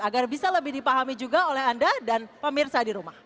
agar bisa lebih dipahami juga oleh anda dan pemirsa di rumah